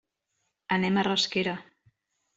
Anem a Rasquera.